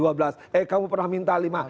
eh kamu pernah minta lima